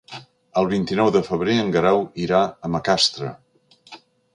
El vint-i-nou de febrer en Guerau irà a Macastre.